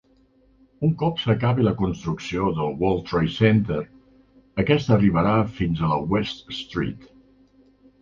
Un cop s'acabi la construcció del World Trade Center, aquest arribarà fins a la West Street.